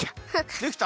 できた？